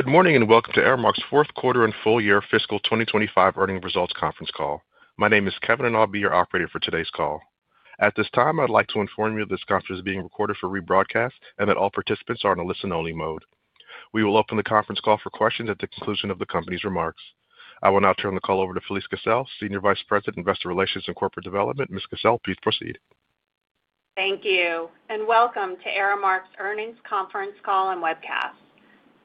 Good morning and welcome to Aramark's fourth quarter and Full Year Fiscal 2025 earnings results conference call. My name is Kevin, and I'll be your operator for today's call. At this time, I'd like to inform you that this conference is being recorded for rebroadcast and that all participants are in a listen-only mode. We will open the conference call for questions at the conclusion of the company's remarks. I will now turn the call over to Felise Kissell, Senior Vice President, Investor Relations and Corporate Development. Ms. Kissell, please proceed. Thank you, and welcome to Aramark's earnings conference call and webcast.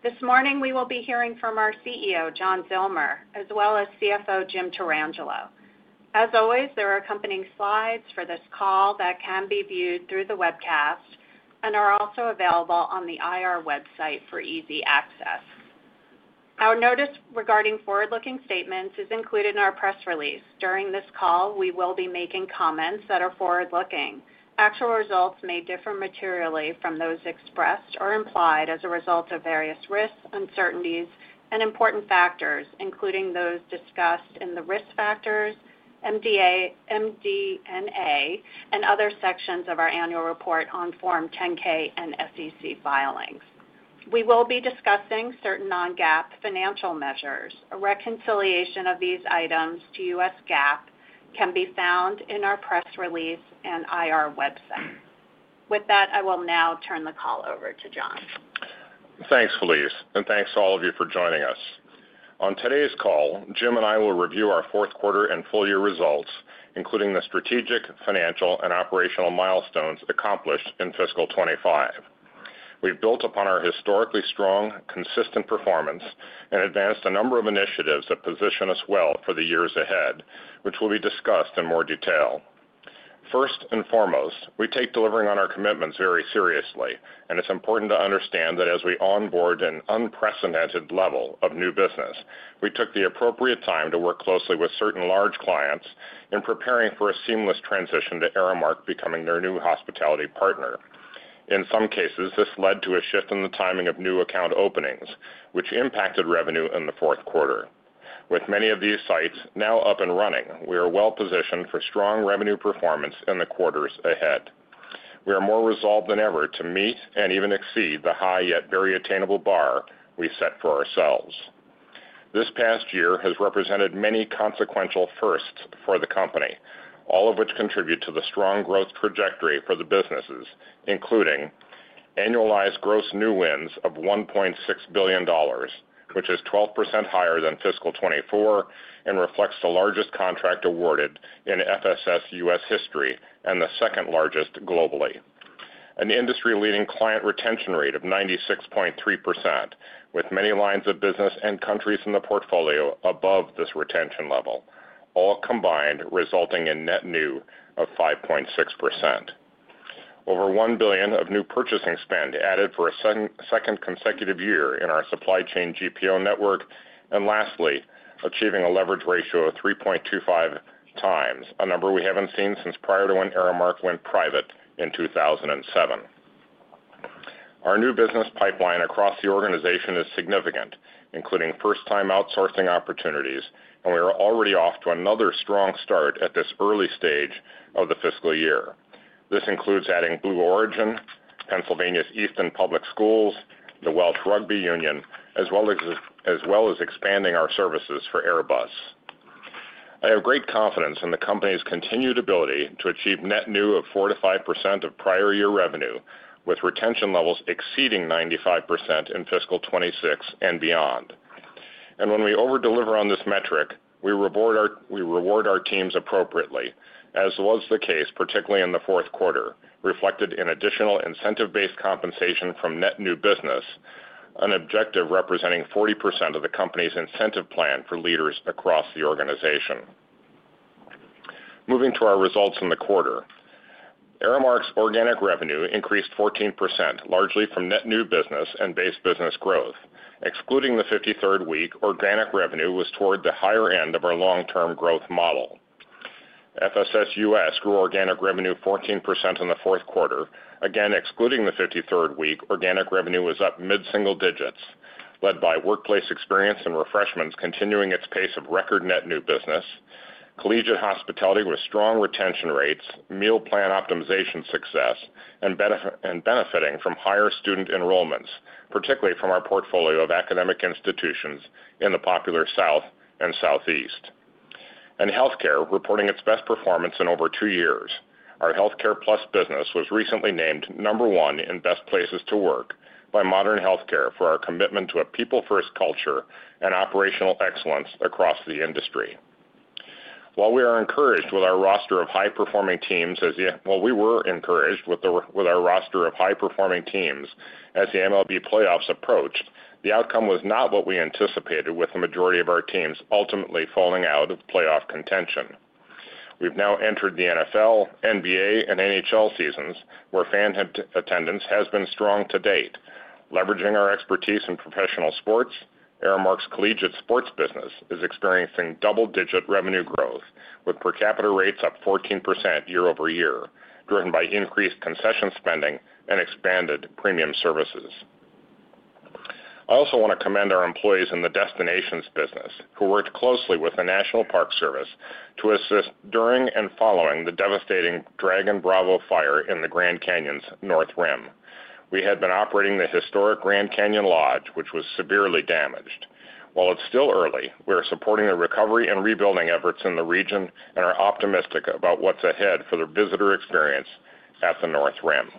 This morning, we will be hearing from our CEO, John Zillmer, as well as CFO, Jim Tarangelo. As always, there are accompanying slides for this call that can be viewed through the webcast and are also available on the IR website for easy access. Our notice regarding forward-looking statements is included in our press release. During this call, we will be making comments that are forward-looking. Actual results may differ materially from those expressed or implied as a result of various risks, uncertainties, and important factors, including those discussed in the risk factors, MDNA, and other sections of our annual report on Form 10-K and SEC filings. We will be discussing certain non-GAAP financial measures. A reconciliation of these items to U.S. GAAP can be found in our press release and IR website. With that, I will now turn the call over to John. Thanks, Felise, and thanks to all of you for joining us. On today's call, Jim and I will review our fourth quarter and full year results, including the strategic, financial, and operational milestones accomplished in fiscal 2025. We've built upon our historically strong, consistent performance and advanced a number of initiatives that position us well for the years ahead, which will be discussed in more detail. First and foremost, we take delivering on our commitments very seriously, and it's important to understand that as we onboard an unprecedented level of new business, we took the appropriate time to work closely with certain large clients in preparing for a seamless transition to Aramark becoming their new hospitality partner. In some cases, this led to a shift in the timing of new account openings, which impacted revenue in the fourth quarter. With many of these sites now up and running, we are well positioned for strong revenue performance in the quarters ahead. We are more resolved than ever to meet and even exceed the high yet very attainable bar we set for ourselves. This past year has represented many consequential firsts for the company, all of which contribute to the strong growth trajectory for the businesses, including annualized gross new wins of $1.6 billion, which is 12% higher than fiscal 2024 and reflects the largest contract awarded in FSS U.S. history and the second largest globally. An industry-leading client retention rate of 96.3%, with many lines of business and countries in the portfolio above this retention level, all combined resulting in net new of 5.6%. Over $1 billion of new purchasing spend added for a second consecutive year in our supply chain GPO network, and lastly, achieving a leverage ratio of 3.25 times, a number we haven't seen since prior to when Aramark went private in 2007. Our new business pipeline across the organization is significant, including first-time outsourcing opportunities, and we are already off to another strong start at this early stage of the fiscal year. This includes adding Blue Origin, Easton Area School District in Pennsylvania, the Welsh Rugby Union, as well as expanding our services for Airbus. I have great confidence in the company's continued ability to achieve net new of 4-5% of prior year revenue, with retention levels exceeding 95% in fiscal 2026 and beyond. When we overdeliver on this metric, we reward our teams appropriately, as was the case, particularly in the fourth quarter, reflected in additional incentive-based compensation from net new business, an objective representing 40% of the company's incentive plan for leaders across the organization. Moving to our results in the quarter, Aramark's organic revenue increased 14%, largely from net new business and base business growth. Excluding the 53rd week, organic revenue was toward the higher end of our long-term growth model. FSS U.S. grew organic revenue 14% in the fourth quarter. Again, excluding the 53rd week, organic revenue was up mid-single digits, led by workplace experience and refreshments continuing its pace of record net new business. Collegiate hospitality with strong retention rates, meal plan optimization success, and benefiting from higher student enrollments, particularly from our portfolio of academic institutions in the popular South and Southeast. Healthcare reporting its best performance in over two years. Our healthcare plus business was recently named number one in best places to work by Modern Healthcare for our commitment to a people-first culture and operational excellence across the industry. While we are encouraged with our roster of high-performing teams, as the MLB playoffs approached, the outcome was not what we anticipated, with the majority of our teams ultimately falling out of playoff contention. We have now entered the NFL, NBA, and NHL seasons where fan attendance has been strong to date. Leveraging our expertise in professional sports, Aramark's collegiate sports business is experiencing double-digit revenue growth, with per capita rates up 14% year over year, driven by increased concession spending and expanded premium services. I also want to commend our employees in the destinations business who worked closely with the National Park Service to assist during and following the devastating Dragon Bravo fire in the Grand Canyon's north rim. We had been operating the historic Grand Canyon Lodge, which was severely damaged. While it's still early, we are supporting the recovery and rebuilding efforts in the region and are optimistic about what's ahead for the visitor experience at the north rim.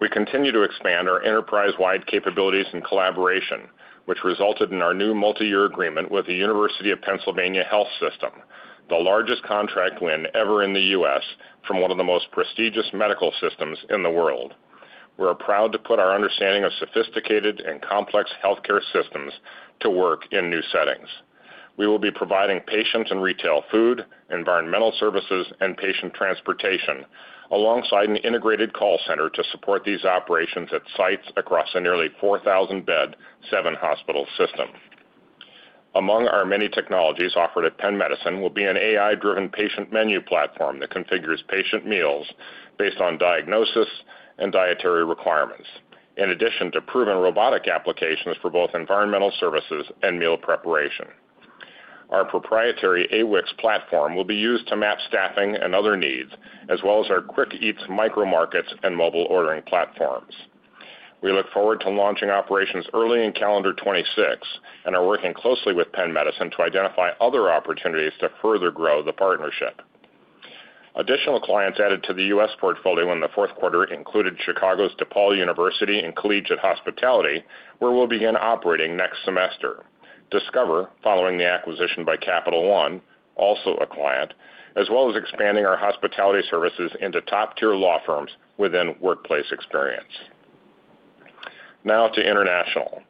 We continue to expand our enterprise-wide capabilities and collaboration, which resulted in our new multi-year agreement with the University of Pennsylvania Health System, the largest contract win ever in the U.S. from one of the most prestigious medical systems in the world. We are proud to put our understanding of sophisticated and complex healthcare systems to work in new settings. We will be providing patients and retail food, environmental services, and patient transportation, alongside an integrated call center to support these operations at sites across a nearly 4,000-bed, seven-hospital system. Among our many technologies offered at Penn Medicine will be an AI-driven patient menu platform that configures patient meals based on diagnosis and dietary requirements, in addition to proven robotic applications for both environmental services and meal preparation. Our proprietary AWIX platform will be used to map staffing and other needs, as well as our QuickEats micro-markets and mobile ordering platforms. We look forward to launching operations early in calendar 2026 and are working closely with Penn Medicine to identify other opportunities to further grow the partnership. Additional clients added to the U.S. portfolio in the fourth quarter included Chicago's DePaul University and Collegiate Hospitality, where we'll begin operating next semester. Discover, following the acquisition by Capital One, also a client, as well as expanding our hospitality services into top-tier law firms within workplace experience. Now to international.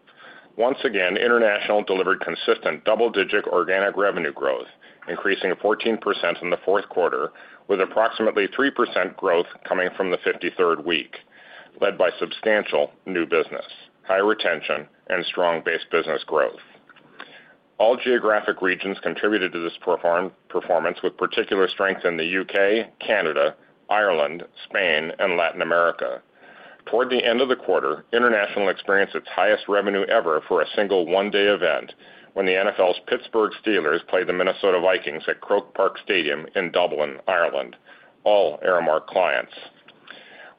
Once again, international delivered consistent double-digit organic revenue growth, increasing 14% in the fourth quarter, with approximately 3% growth coming from the 53rd week, led by substantial new business, high retention, and strong base business growth. All geographic regions contributed to this performance, with particular strength in the U.K., Canada, Ireland, Spain, and Latin America. Toward the end of the quarter, international experienced its highest revenue ever for a single one-day event when the NFL's Pittsburgh Steelers played the Minnesota Vikings at Croke Park Stadium in Dublin, Ireland, all Aramark clients.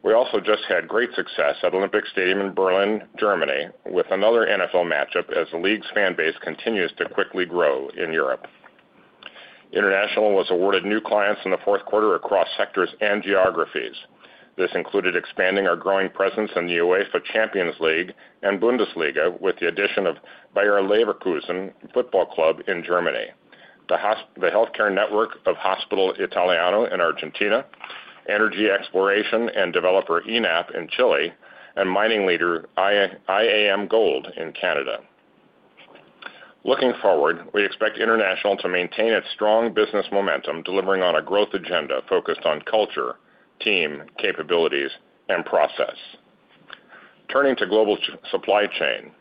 We also just had great success at Olympic Stadium in Berlin, Germany, with another NFL matchup as the league's fan base continues to quickly grow in Europe. International was awarded new clients in the fourth quarter across sectors and geographies. This included expanding our growing presence in the UEFA Champions League and Bundesliga with the addition of Bayer Leverkusen Football Club in Germany, the healthcare network of Hospital Italiano in Argentina, energy exploration and developer ENAP in Chile, and mining leader IAM Gold in Canada. Looking forward, we expect international to maintain its strong business momentum, delivering on a growth agenda focused on culture, team, capabilities, and process. Turning to global supply chain,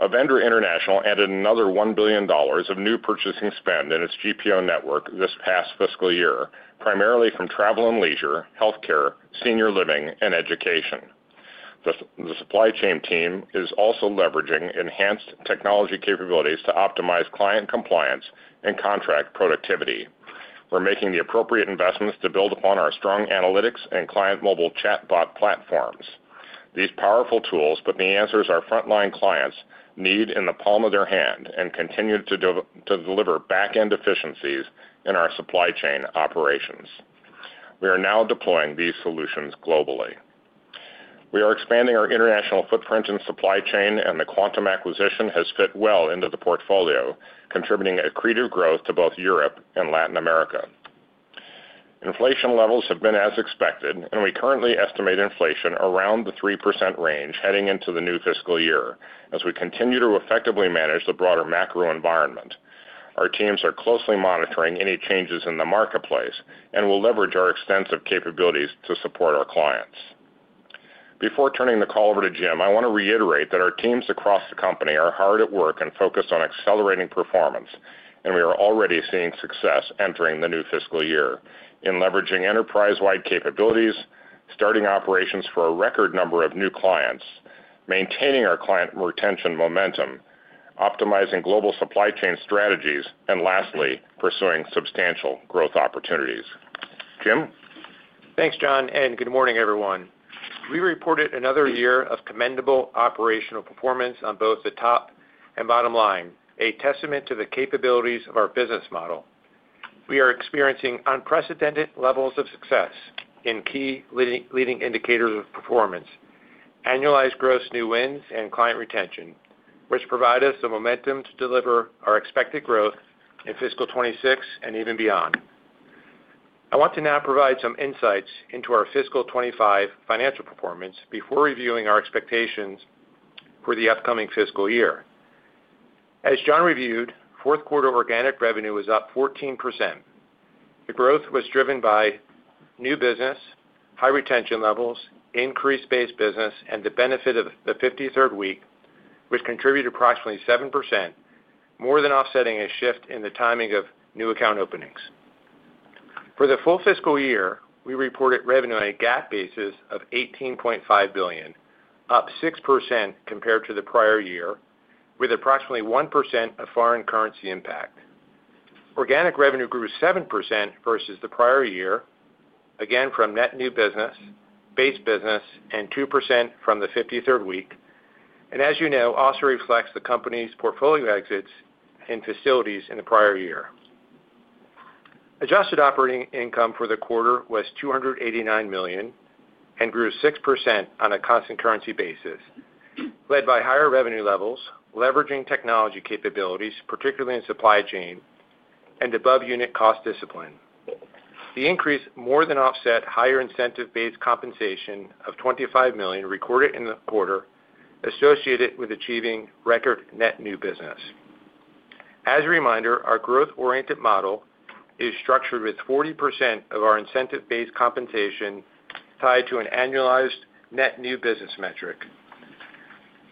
Avendra International added another $1 billion of new purchasing spend in its GPO network this past fiscal year, primarily from travel and leisure, healthcare, senior living, and education. The supply chain team is also leveraging enhanced technology capabilities to optimize client compliance and contract productivity. We're making the appropriate investments to build upon our strong analytics and client mobile chatbot platforms. These powerful tools put the answers our frontline clients need in the palm of their hand and continue to deliver back-end efficiencies in our supply chain operations. We are now deploying these solutions globally. We are expanding our international footprint in supply chain, and the Quantum acquisition has fit well into the portfolio, contributing accretive growth to both Europe and Latin America. Inflation levels have been as expected, and we currently estimate inflation around the 3% range heading into the new fiscal year as we continue to effectively manage the broader macro environment. Our teams are closely monitoring any changes in the marketplace and will leverage our extensive capabilities to support our clients. Before turning the call over to Jim, I want to reiterate that our teams across the company are hard at work and focused on accelerating performance, and we are already seeing success entering the new fiscal year in leveraging enterprise-wide capabilities, starting operations for a record number of new clients, maintaining our client retention momentum, optimizing global supply chain strategies, and lastly, pursuing substantial growth opportunities. Jim? Thanks, John, and good morning, everyone. We reported another year of commendable operational performance on both the top and bottom line, a testament to the capabilities of our business model. We are experiencing unprecedented levels of success in key leading indicators of performance, annualized gross new wins, and client retention, which provide us the momentum to deliver our expected growth in fiscal 2026 and even beyond. I want to now provide some insights into our fiscal 2025 financial performance before reviewing our expectations for the upcoming fiscal year. As John reviewed, fourth quarter organic revenue was up 14%. The growth was driven by new business, high retention levels, increased base business, and the benefit of the 53rd week, which contributed approximately 7%, more than offsetting a shift in the timing of new account openings. For the full fiscal year, we reported revenue on a GAAP basis of $18.5 billion, up 6% compared to the prior year, with approximately 1% of foreign currency impact. Organic revenue grew 7% versus the prior year, again from net new business, base business, and 2% from the 53rd week. You know, this also reflects the company's portfolio exits in facilities in the prior year. Adjusted operating income for the quarter was $289 million and grew 6% on a constant currency basis, led by higher revenue levels, leveraging technology capabilities, particularly in supply chain, and above-unit cost discipline. The increase more than offset higher incentive-based compensation of $25 million recorded in the quarter associated with achieving record net new business. As a reminder, our growth-oriented model is structured with 40% of our incentive-based compensation tied to an annualized net new business metric.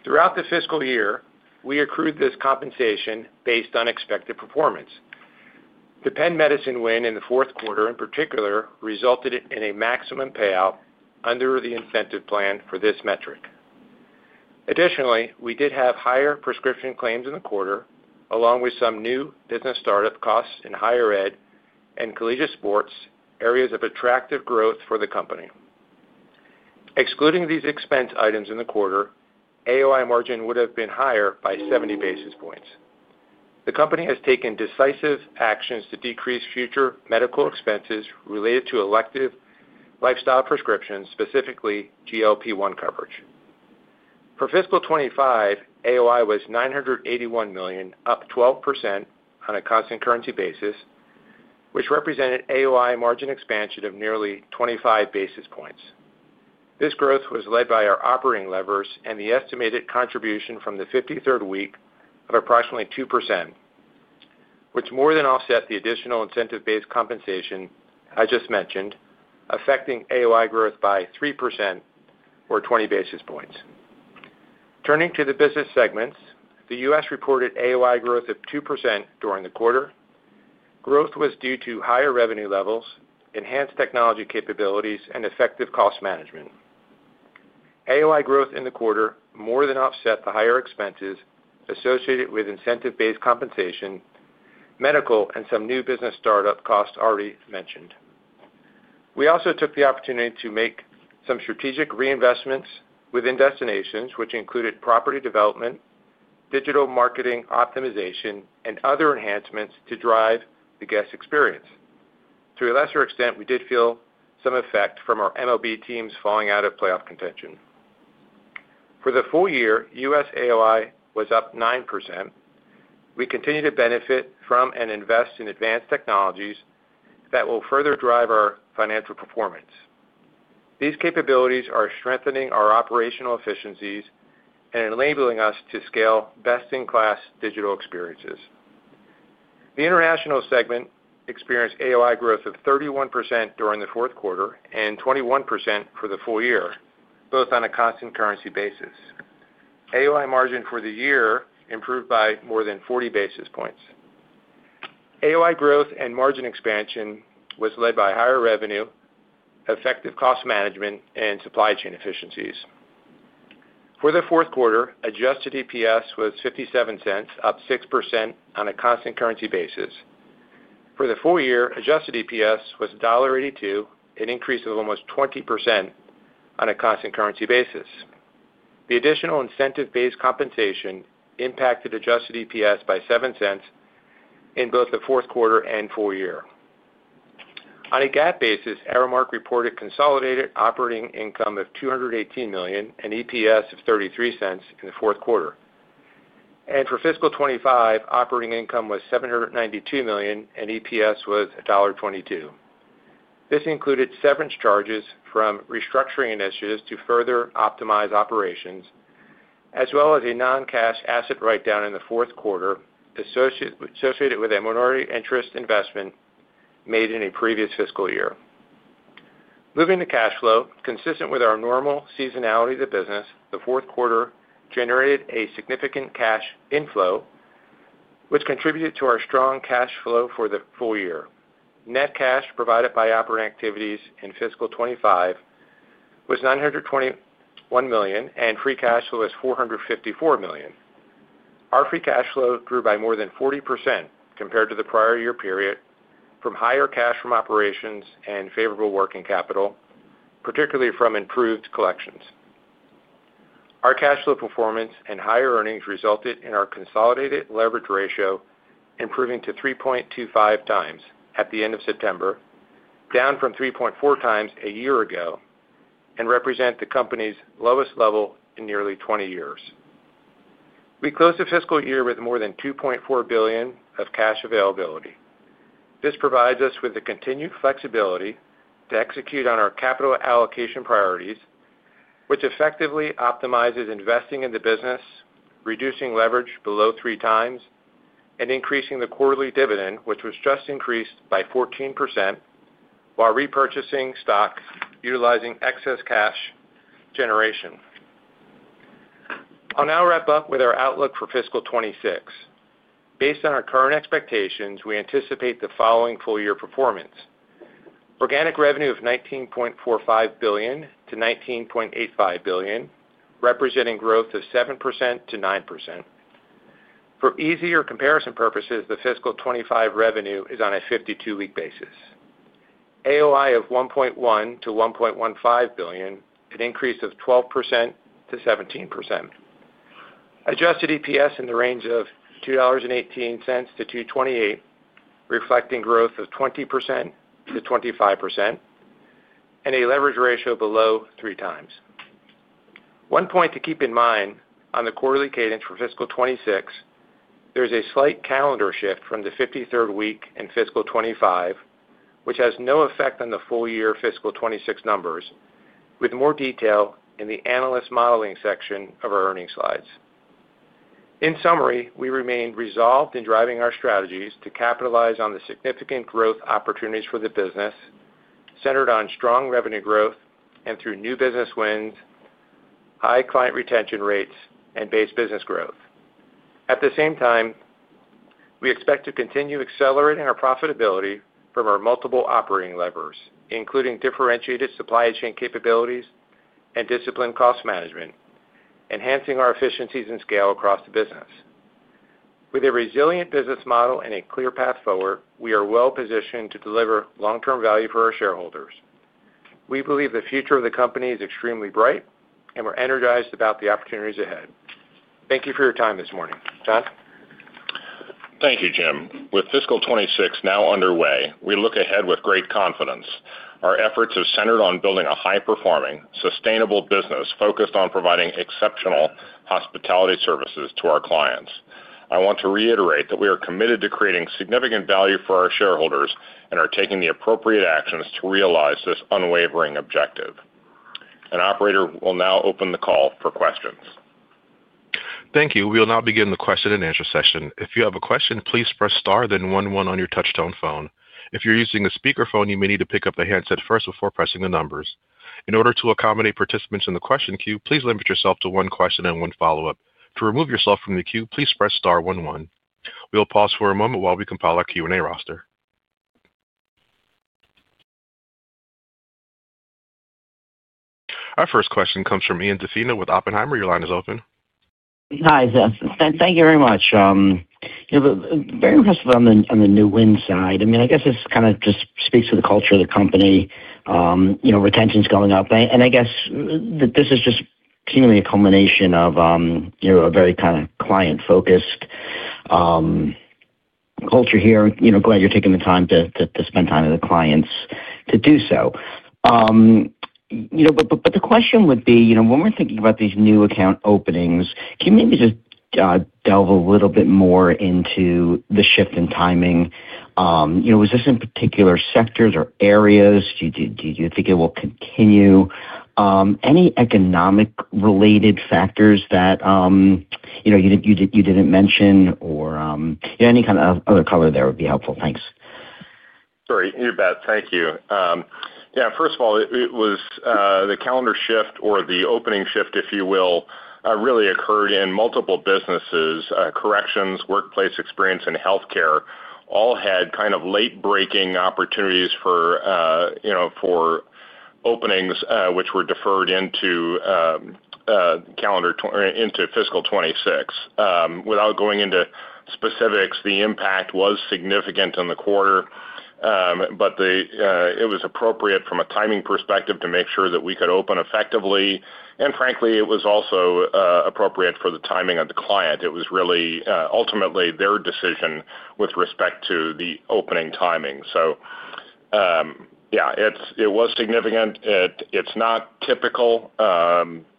Throughout the fiscal year, we accrued this compensation based on expected performance. The Penn Medicine win in the fourth quarter, in particular, resulted in a maximum payout under the incentive plan for this metric. Additionally, we did have higher prescription claims in the quarter, along with some new business startup costs in higher ed and collegiate sports, areas of attractive growth for the company. Excluding these expense items in the quarter, AOI margin would have been higher by 70 basis points. The company has taken decisive actions to decrease future medical expenses related to elective lifestyle prescriptions, specifically GLP-1 coverage. For fiscal 2025, AOI was $981 million, up 12% on a constant currency basis, which represented AOI margin expansion of nearly 25 basis points. This growth was led by our operating levers and the estimated contribution from the 53rd week of approximately 2%, which more than offset the additional incentive-based compensation I just mentioned, affecting AOI growth by 3% or 20 basis points. Turning to the business segments, the U.S. reported AOI growth of 2% during the quarter. Growth was due to higher revenue levels, enhanced technology capabilities, and effective cost management. AOI growth in the quarter more than offset the higher expenses associated with incentive-based compensation, medical, and some new business startup costs already mentioned. We also took the opportunity to make some strategic reinvestments within destinations, which included property development, digital marketing optimization, and other enhancements to drive the guest experience. To a lesser extent, we did feel some effect from our MLB teams falling out of playoff contention. For the full year, U.S. AOI was up 9%. We continue to benefit from and invest in advanced technologies that will further drive our financial performance. These capabilities are strengthening our operational efficiencies and enabling us to scale best-in-class digital experiences. The international segment experienced AOI growth of 31% during the fourth quarter and 21% for the full year, both on a constant currency basis. AOI margin for the year improved by more than 40 basis points. AOI growth and margin expansion was led by higher revenue, effective cost management, and supply chain efficiencies. For the fourth quarter, adjusted EPS was $0.57, up 6% on a constant currency basis. For the full year, adjusted EPS was $1.82, an increase of almost 20% on a constant currency basis. The additional incentive-based compensation impacted adjusted EPS by $0.07 in both the fourth quarter and full year. On a GAAP basis, Aramark reported consolidated operating income of $218 million and EPS of $0.33 in the fourth quarter. For fiscal 2025, operating income was $792 million and EPS was $1.22. This included severance charges from restructuring initiatives to further optimize operations, as well as a non-cash asset write-down in the fourth quarter associated with a minority interest investment made in a previous fiscal year. Moving to cash flow, consistent with our normal seasonality of the business, the fourth quarter generated a significant cash inflow, which contributed to our strong cash flow for the full year. Net cash provided by operating activities in fiscal 2025 was $921 million, and free cash flow was $454 million. Our free cash flow grew by more than 40% compared to the prior year period from higher cash from operations and favorable working capital, particularly from improved collections. Our cash flow performance and higher earnings resulted in our consolidated leverage ratio improving to 3.25 times at the end of September, down from 3.4 times a year ago, and represent the company's lowest level in nearly 20 years. We closed the fiscal year with more than $2.4 billion of cash availability. This provides us with the continued flexibility to execute on our capital allocation priorities, which effectively optimizes investing in the business, reducing leverage below three times, and increasing the quarterly dividend, which was just increased by 14%, while repurchasing stock utilizing excess cash generation. I'll now wrap up with our outlook for fiscal 2026. Based on our current expectations, we anticipate the following full-year performance: organic revenue of $19.45 billion-$19.85 billion, representing growth of 7%-9%. For easier comparison purposes, the fiscal 2025 revenue is on a 52-week basis. AOI of $1.1 billion-$1.15 billion, an increase of 12%-17%. Adjusted EPS in the range of $2.18-$2.28, reflecting growth of 20%-25%, and a leverage ratio below three times. One point to keep in mind on the quarterly cadence for fiscal 2026, there is a slight calendar shift from the 53rd week in fiscal 2025, which has no effect on the full-year fiscal 2026 numbers, with more detail in the analyst modeling section of our earnings slides. In summary, we remain resolved in driving our strategies to capitalize on the significant growth opportunities for the business, centered on strong revenue growth and through new business wins, high client retention rates, and base business growth. At the same time, we expect to continue accelerating our profitability from our multiple operating levers, including differentiated supply chain capabilities and disciplined cost management, enhancing our efficiencies and scale across the business. With a resilient business model and a clear path forward, we are well positioned to deliver long-term value for our shareholders. We believe the future of the company is extremely bright, and we're energized about the opportunities ahead. Thank you for your time this morning, John. Thank you, Jim. With Fiscal 2026 now underway, we look ahead with great confidence. Our efforts are centered on building a high-performing, sustainable business focused on providing exceptional hospitality services to our clients. I want to reiterate that we are committed to creating significant value for our shareholders and are taking the appropriate actions to realize this unwavering objective. An operator will now open the call for questions. Thank you. We will now begin the question and answer session. If you have a question, please press star, then 11 on your touch-tone phone. If you're using a speakerphone, you may need to pick up the handset first before pressing the numbers. In order to accommodate participants in the question queue, please limit yourself to one question and one follow-up. To remove yourself from the queue, please press star, one, one. We'll pause for a moment while we compile our Q&A roster. Our first question comes from Ian Defina with Oppenheimer. Your line is open. Hi, Ziff. Thank you very much. Very impressive on the new win side. I mean, I guess this kind of just speaks to the culture of the company. Retention's going up. I guess this is just seemingly a culmination of a very kind of client-focused culture here. Glad you're taking the time to spend time with the clients to do so. The question would be, when we're thinking about these new account openings, can you maybe just delve a little bit more into the shift in timing? Was this in particular sectors or areas? Do you think it will continue? Any economic-related factors that you did not mention or any kind of other color there would be helpful. Thanks. Sorry. You're bad. Thank you. Yeah. First of all, it was the calendar shift or the opening shift, if you will, really occurred in multiple businesses. Corrections, workplace experience, and healthcare all had kind of late-breaking opportunities for openings, which were deferred into fiscal 2026. Without going into specifics, the impact was significant in the quarter, but it was appropriate from a timing perspective to make sure that we could open effectively. Frankly, it was also appropriate for the timing of the client. It was really ultimately their decision with respect to the opening timing. Yeah, it was significant. It is not typical.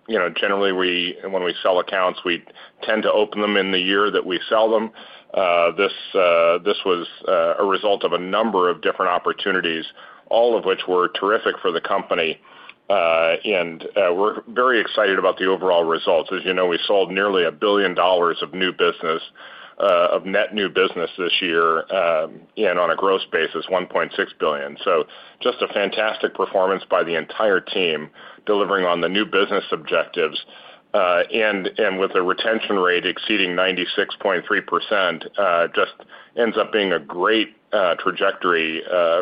Generally, when we sell accounts, we tend to open them in the year that we sell them. This was a result of a number of different opportunities, all of which were terrific for the company. We are very excited about the overall results. As you know, we sold nearly $1 billion of net new business this year, and on a gross basis, $1.6 billion. Just a fantastic performance by the entire team delivering on the new business objectives. With a retention rate exceeding 96.3%, it just ends up being a great trajectory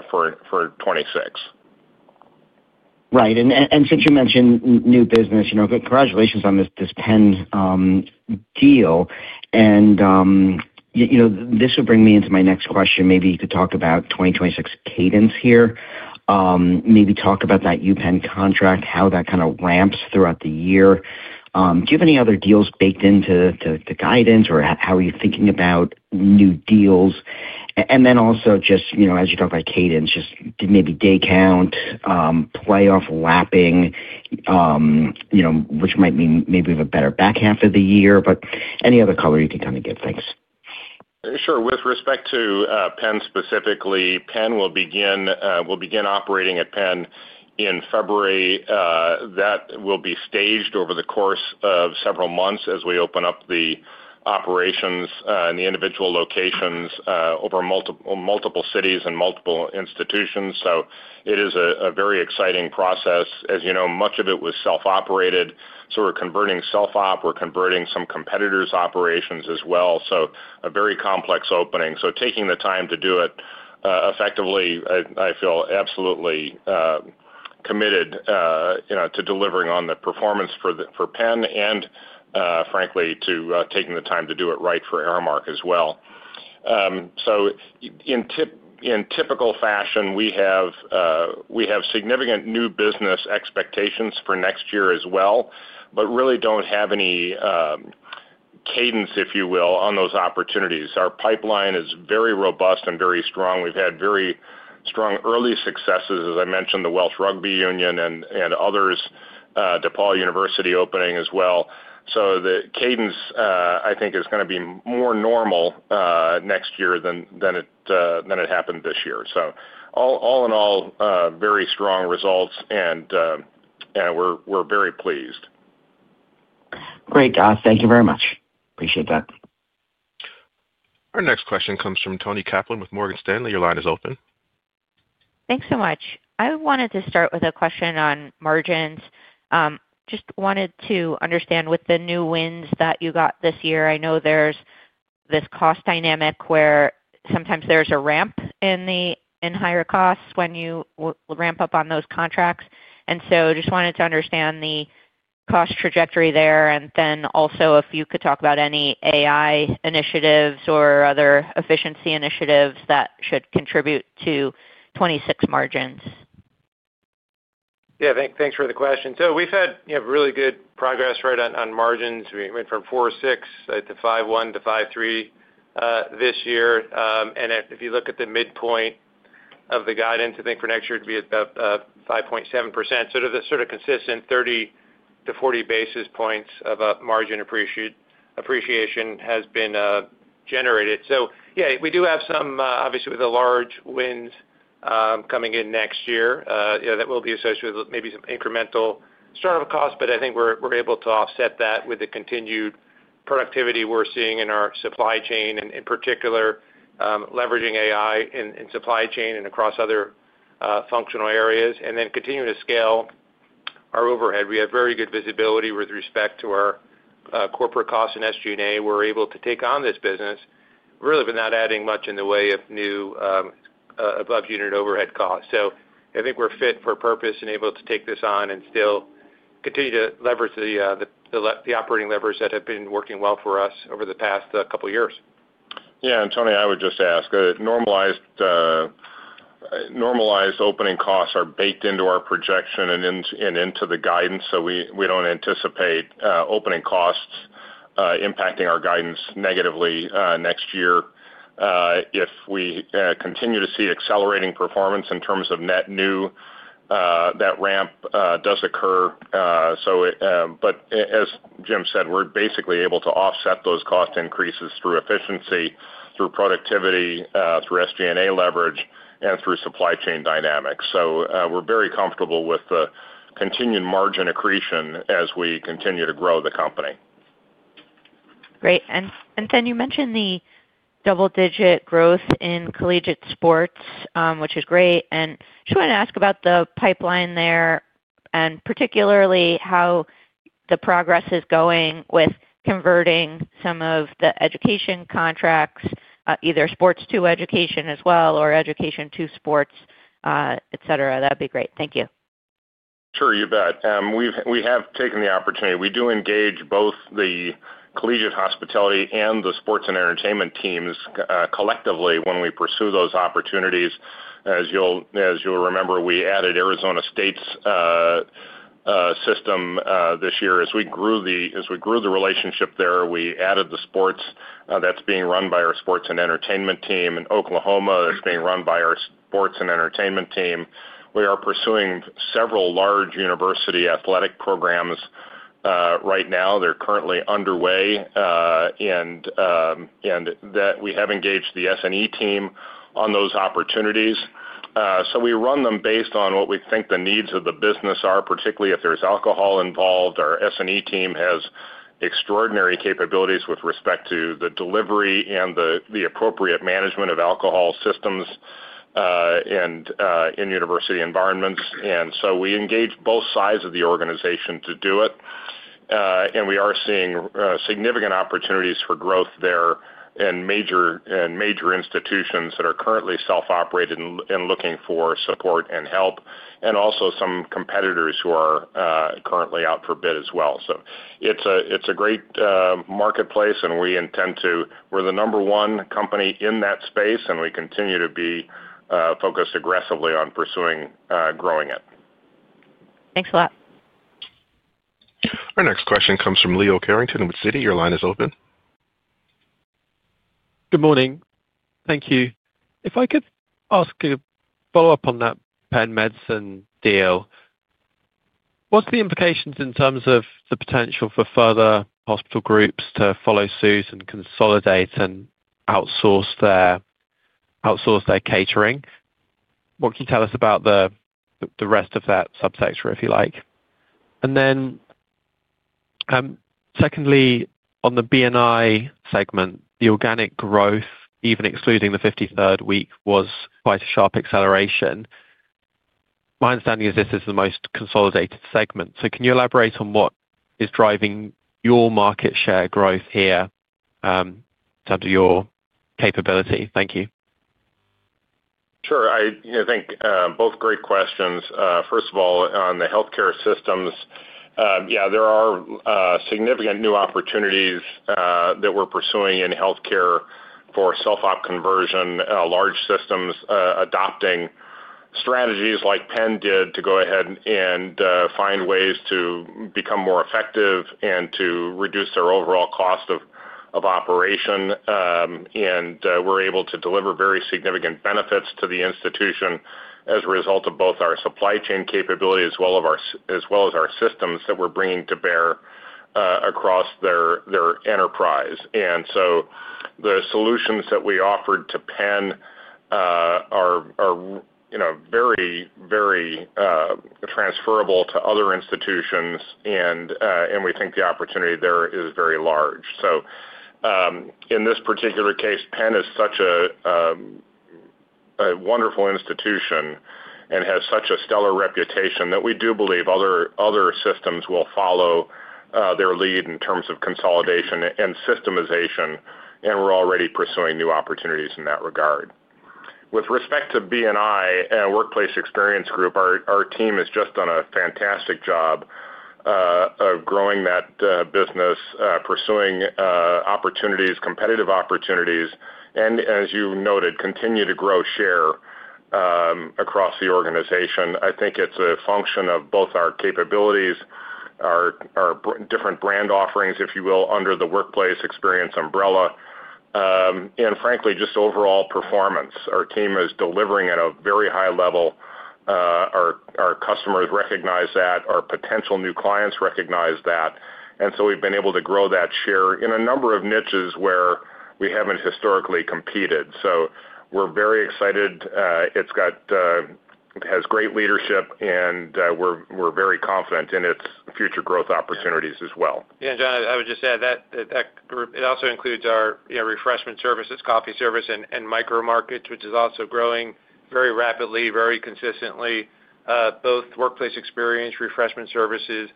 for 2026. Right. Since you mentioned new business, congratulations on this Penn deal. This would bring me into my next question. Maybe you could talk about 2026 cadence here. Maybe talk about that UPenn contract, how that kind of ramps throughout the year. Do you have any other deals baked into the guidance, or how are you thinking about new deals? Just as you talk about cadence, maybe day count, playoff lapping, which might mean maybe a better back half of the year. Any other color you can kind of give? Thanks. Sure. With respect to Penn specifically, Penn will begin operating at Penn in February. That will be staged over the course of several months as we open up the operations in the individual locations over multiple cities and multiple institutions. It is a very exciting process. As you know, much of it was self-operated. We are converting self-op. We are converting some competitors' operations as well. It is a very complex opening. Taking the time to do it effectively, I feel absolutely committed to delivering on the performance for Penn and, frankly, to taking the time to do it right for Aramark as well. In typical fashion, we have significant new business expectations for next year as well, but really do not have any cadence, if you will, on those opportunities. Our pipeline is very robust and very strong. We have had very strong early successes, as I mentioned, the Welsh Rugby Union and others, DePaul University opening as well. The cadence, I think, is going to be more normal next year than it happened this year. All in all, very strong results, and we are very pleased. Great. Thank you very much. Appreciate that. Our next question comes from Toni Kaplan with Morgan Stanley.Your line is open. Thanks so much. I wanted to start with a question on margins. Just wanted to understand with the new wins that you got this year. I know there's this cost dynamic where sometimes there's a ramp in higher costs when you ramp up on those contracts. I just wanted to understand the cost trajectory there. If you could talk about any AI initiatives or other efficiency initiatives that should contribute to 2026 margins. Yeah. Thanks for the question. We've had really good progress right on margins. We went from 4.6% to 5.1% to 5.3% this year. If you look at the midpoint of the guidance, I think for next year it'd be about 5.7%. Sort of consistent 30-40 basis points of margin appreciation has been generated. Yeah, we do have some, obviously, with the large wins coming in next year that will be associated with maybe some incremental startup costs, but I think we're able to offset that with the continued productivity we're seeing in our supply chain, and in particular, leveraging AI in supply chain and across other functional areas, and then continuing to scale our overhead. We have very good visibility with respect to our corporate costs and SG&A. We're able to take on this business, really not adding much in the way of new above-unit overhead costs. I think we're fit for purpose and able to take this on and still continue to leverage the operating levers that have been working well for us over the past couple of years. Yeah. Toni, I would just ask, normalized opening costs are baked into our projection and into the guidance, so we do not anticipate opening costs impacting our guidance negatively next year. If we continue to see accelerating performance in terms of net new, that ramp does occur. As Jim said, we are basically able to offset those cost increases through efficiency, through productivity, through SG&A leverage, and through supply chain dynamics. We are very comfortable with the continued margin accretion as we continue to grow the company. Great. You mentioned the double-digit growth in collegiate sports, which is great. I just wanted to ask about the pipeline there and particularly how the progress is going with converting some of the education contracts, either sports to education as well or education to sports, etc. That would be great. Thank you. Sure. You bet. We have taken the opportunity. We do engage both the collegiate hospitality and the sports and entertainment teams collectively when we pursue those opportunities. As you'll remember, we added Arizona State's system this year. As we grew the relationship there, we added the sports that's being run by our sports and entertainment team in Oklahoma that's being run by our sports and entertainment team. We are pursuing several large university athletic programs right now. They're currently underway. We have engaged the SNE team on those opportunities. We run them based on what we think the needs of the business are, particularly if there's alcohol involved. Our SNE team has extraordinary capabilities with respect to the delivery and the appropriate management of alcohol systems in university environments. We engage both sides of the organization to do it. We are seeing significant opportunities for growth there in major institutions that are currently self-operated and looking for support and help, and also some competitors who are currently out for bid as well. It is a great marketplace, and we intend to. We are the number one company in that space, and we continue to be focused aggressively on pursuing growing it. Thanks a lot. Our next question comes from Leo Carrington with Citi. Your line is open. Good morning. Thank you. If I could ask a follow-up on that Penn Medicine deal, what is the implication in terms of the potential for further hospital groups to follow suit and consolidate and outsource their catering? What can you tell us about the rest of that subsector, if you like? And then secondly, on the BNI segment, the organic growth, even excluding the 53rd week, was quite a sharp acceleration. My understanding is this is the most consolidated segment. Can you elaborate on what is driving your market share growth here in terms of your capability? Thank you. Sure. I think both great questions. First of all, on the healthcare systems, yeah, there are significant new opportunities that we're pursuing in healthcare for self-op conversion, large systems adopting strategies like Penn did to go ahead and find ways to become more effective and to reduce their overall cost of operation. We're able to deliver very significant benefits to the institution as a result of both our supply chain capability as well as our systems that we're bringing to bear across their enterprise. The solutions that we offered to Penn are very, very transferable to other institutions, and we think the opportunity there is very large. In this particular case, Penn is such a wonderful institution and has such a stellar reputation that we do believe other systems will follow their lead in terms of consolidation and systemization. We are already pursuing new opportunities in that regard. With respect to BNI and Workplace Experience Group, our team has just done a fantastic job of growing that business, pursuing competitive opportunities, and, as you noted, continue to grow share across the organization. I think it is a function of both our capabilities, our different brand offerings, if you will, under the Workplace Experience umbrella, and frankly, just overall performance. Our team is delivering at a very high level. Our customers recognize that. Our potential new clients recognize that. We have been able to grow that share in a number of niches where we have not historically competed. We are very excited. It has great leadership, and we're very confident in its future growth opportunities as well. Yeah. And John, I would just add that it also includes our refreshment services, coffee service, and micro markets, which is also growing very rapidly, very consistently, both Workplace Experience, refreshment services,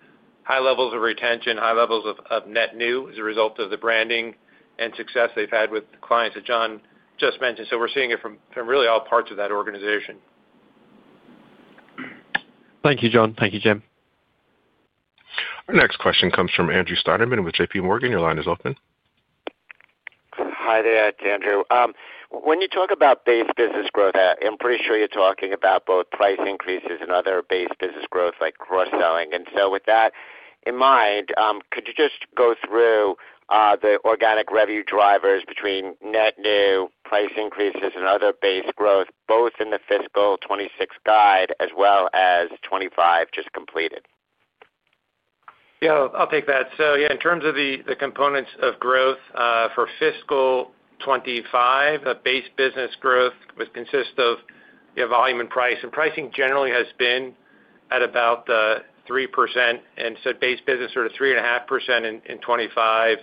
high levels of retention, high levels of net new as a result of the branding and success they've had with clients that John just mentioned. We're seeing it from really all parts of that organization. Thank you, John. Thank you, Jim. Our next question comes from Andrew Steinerman with JP Morgan. Your line is open. Hi there, Andrew. When you talk about base business growth, I'm pretty sure you're talking about both price increases and other base business growth like cross-selling. With that in mind, could you just go through the organic revenue drivers between net new, price increases, and other base growth, both in the fiscal 2026 guide as well as 2025 just completed? Yeah. I'll take that. In terms of the components of growth for fiscal 2025, the base business growth would consist of volume and price. Pricing generally has been at about 3%. Base business is sort of 3.5% in 2025.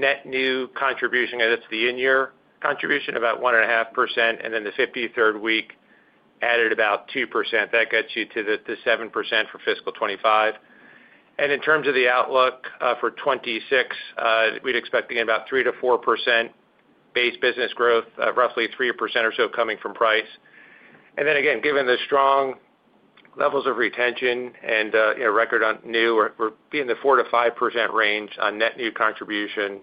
Net new contribution added to the in-year contribution, about 1.5%, and then the 53rd week added about 2%. That gets you to the 7% for fiscal 2025. In terms of the outlook for 2026, we'd expect to get about 3-4% base business growth, roughly 3% or so coming from price. Given the strong levels of retention and record on new, we're being in the 4-5% range on net new contribution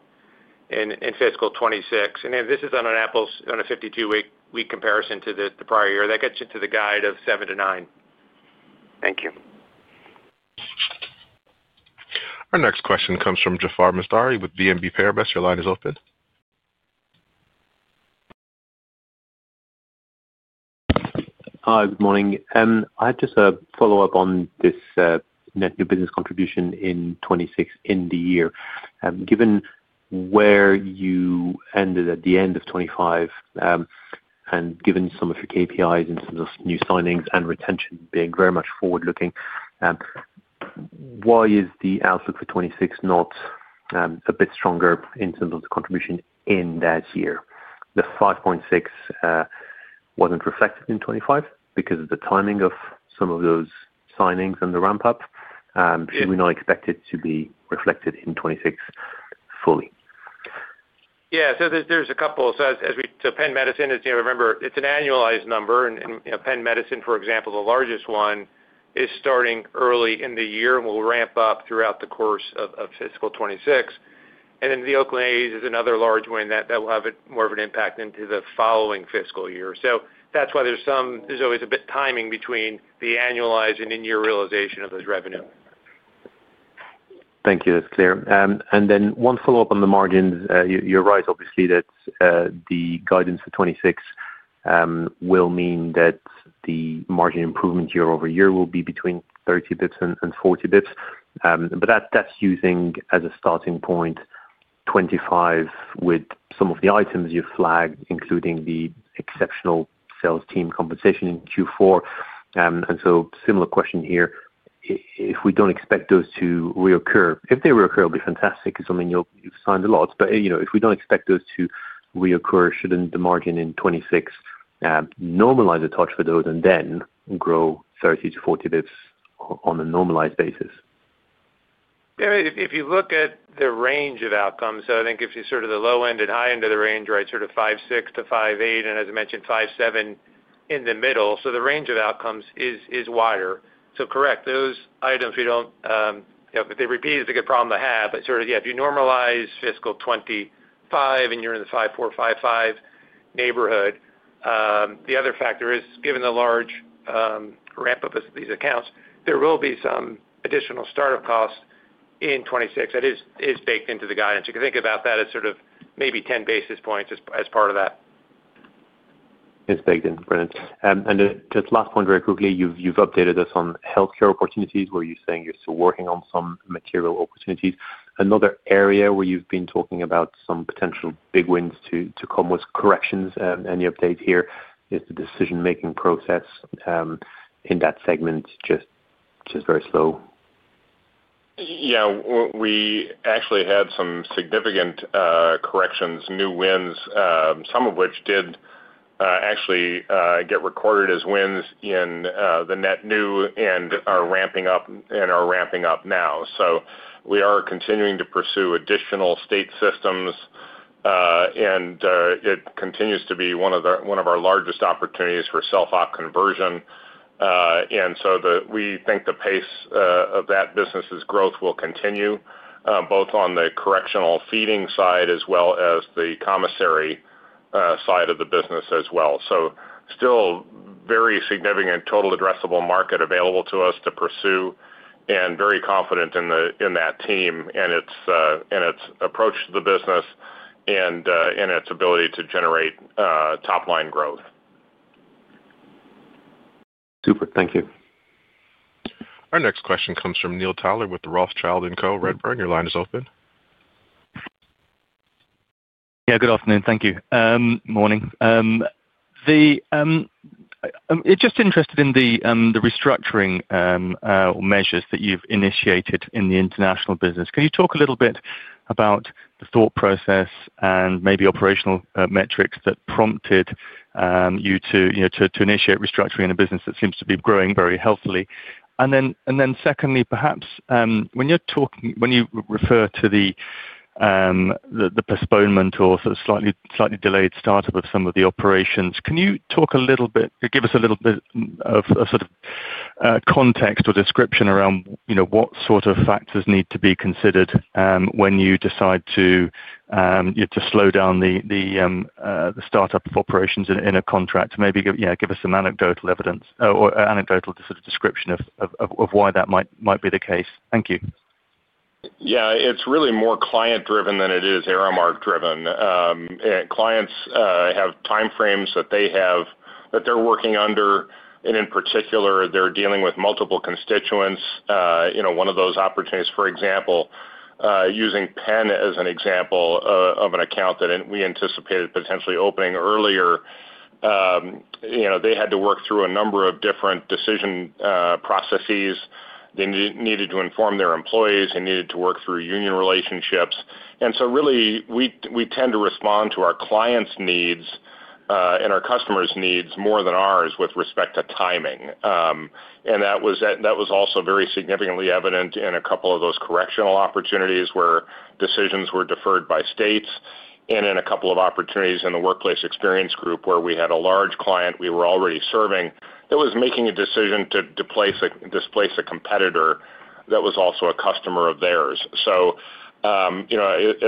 in fiscal 2026. This is on a 52-week comparison to the prior year. That gets you to the guide of 7-9%. Thank you. Our next question comes from Jaafar Mestari with BNP Paribas. Your line is open. Hi. Good morning. I had just a follow-up on this net new business contribution in 2026 in the year. Given where you ended at the end of 2025 and given some of your KPIs in terms of new signings and retention being very much forward-looking, why is the outlook for 2026 not a bit stronger in terms of the contribution in that year? The 5.6% wasn't reflected in 2025 because of the timing of some of those signings and the ramp-up. Should we not expect it to be reflected in 2026 fully? Yeah. So there's a couple. So Penn Medicine is, remember, it's an annualized number. And Penn Medicine, for example, the largest one, is starting early in the year and will ramp up throughout the course of fiscal 2026. And then the Oakland A's is another large one that will have more of an impact into the following fiscal year. That's why there's always a bit of timing between the annualized and in-year realization of those revenue. Thank you. That's clear. And then one follow-up on the margins. You're right, obviously, that the guidance for 2026 will mean that the margin improvement year-over-year will be between 30 basis points and 40 basis points. But that's using as a starting point 2025 with some of the items you've flagged, including the exceptional sales team compensation in Q4. Similar question here. If we do not expect those to reoccur, if they reoccur, it will be fantastic because, I mean, you have signed a lot. If we do not expect those to reoccur, should not the margin in 2026 normalize a touch for those and then grow 30 to 40 basis points on a normalized basis? If you look at the range of outcomes, I think if you sort of the low end and high end of the range, right, sort of 5.6-5.8, and as I mentioned, 5.7 in the middle. The range of outcomes is wider. Correct. Those items, if they repeat, it is a good problem to have. If you normalize fiscal 2025 and you are in the 5.4-5.5 neighborhood, the other factor is, given the large ramp-up of these accounts, there will be some additional startup costs in 2026 that is baked into the guidance. You can think about that as maybe 10 basis points as part of that. It is baked in, Brendan. Just last point, very quickly, you have updated us on healthcare opportunities where you are saying you are still working on some material opportunities. Another area where you have been talking about some potential big wins to come with corrections and the update here is the decision-making process in that segment, just very slow. Yeah. We actually had some significant corrections, new wins, some of which did actually get recorded as wins in the net new and are ramping up and are ramping up now. We are continuing to pursue additional state systems, and it continues to be one of our largest opportunities for self-op conversion. We think the pace of that business's growth will continue, both on the correctional feeding side as well as the commissary side of the business as well. Still very significant total addressable market available to us to pursue and very confident in that team and its approach to the business and its ability to generate top-line growth. Super. Thank you. Our next question comes from Neil Tyler with Wolfe Research, Redburn Atlantic. Your line is open. Yeah. Good afternoon. Thank you. Morning. Just interested in the restructuring measures that you've initiated in the international business. Can you talk a little bit about the thought process and maybe operational metrics that prompted you to initiate restructuring in a business that seems to be growing very healthily? Then secondly, perhaps when you refer to the postponement or sort of slightly delayed startup of some of the operations, can you talk a little bit or give us a little bit of sort of context or description around what sort of factors need to be considered when you decide to slow down the startup of operations in a contract? Maybe give us some anecdotal evidence or anecdotal sort of description of why that might be the case. Thank you. Yeah. It's really more client-driven than it is Aramark-driven. Clients have time frames that they have that they're working under. In particular, they're dealing with multiple constituents. One of those opportunities, for example, using Penn as an example of an account that we anticipated potentially opening earlier, they had to work through a number of different decision processes. They needed to inform their employees. They needed to work through union relationships. Really, we tend to respond to our clients' needs and our customers' needs more than ours with respect to timing. That was also very significantly evident in a couple of those correctional opportunities where decisions were deferred by states. In a couple of opportunities in the Workplace Experience Group where we had a large client we were already serving that was making a decision to displace a competitor that was also a customer of theirs. As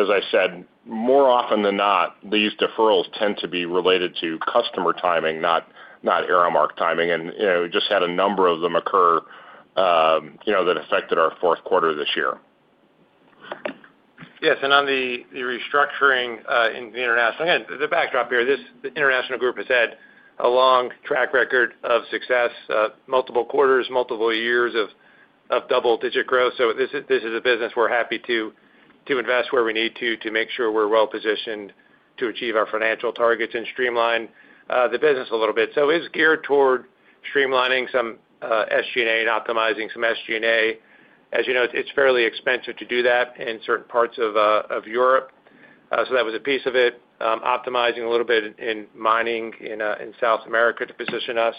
I said, more often than not, these deferrals tend to be related to customer timing, not Aramark timing. We just had a number of them occur that affected our fourth quarter of this year. Yes. On the restructuring in the international, again, the backdrop here, the international group has had a long track record of success, multiple quarters, multiple years of double-digit growth. This is a business we're happy to invest where we need to to make sure we're well-positioned to achieve our financial targets and streamline the business a little bit. It is geared toward streamlining some SG&A and optimizing some SG&A. As you know, it is fairly expensive to do that in certain parts of Europe. That was a piece of it. Optimizing a little bit in mining in South America to position us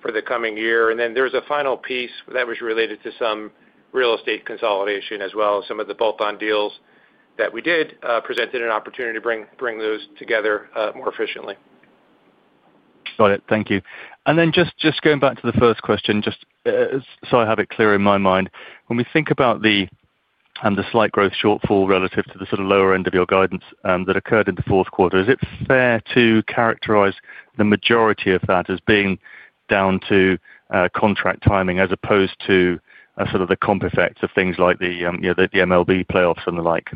for the coming year. There was a final piece that was related to some real estate consolidation as well as some of the bolt-on deals that we did presented an opportunity to bring those together more efficiently. Got it. Thank you. Just going back to the first question, just so I have it clear in my mind, when we think about the slight growth shortfall relative to the sort of lower end of your guidance that occurred in the fourth quarter, is it fair to characterize the majority of that as being down to contract timing as opposed to the comp effects of things like the MLB playoffs and the like?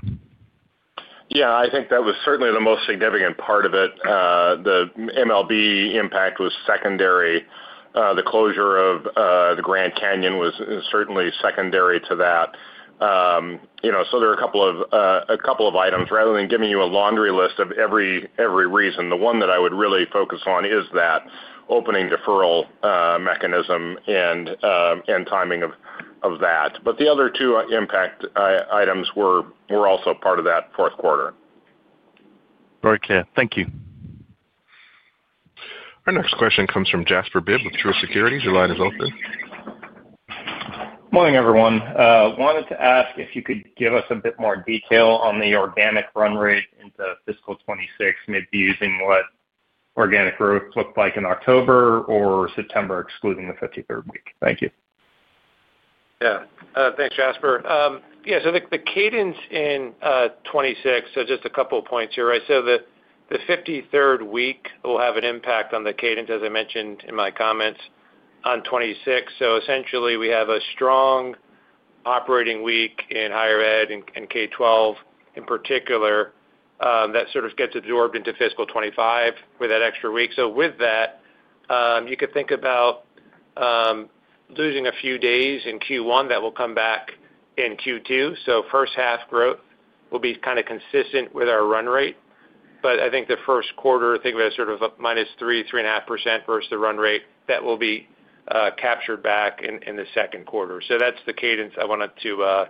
Yeah. I think that was certainly the most significant part of it. The MLB impact was secondary. The closure of the Grand Canyon was certainly secondary to that. There are a couple of items. Rather than giving you a laundry list of every reason, the one that I would really focus on is that opening deferral mechanism and timing of that. The other two impact items were also part of that fourth quarter. Very clear. Thank you. Our next question comes from Jasper Bibb with Truist Securities. Your line is open. Morning, everyone. Wanted to ask if you could give us a bit more detail on the organic run rate into fiscal 2026, maybe using what organic growth looked like in October or September, excluding the 53rd week. Thank you. Yeah. Thanks, Jasper. Yeah. The cadence in 2026, just a couple of points here. The 53rd week will have an impact on the cadence, as I mentioned in my comments, on 2026. Essentially, we have a strong operating week in higher ed and K-12 in particular that sort of gets absorbed into fiscal 2025 with that extra week. With that, you could think about losing a few days in Q1 that will come back in Q2. First half growth will be kind of consistent with our run rate. I think the first quarter, think of it as sort of minus 3-3.5% versus the run rate that will be captured back in the second quarter. That's the cadence I wanted to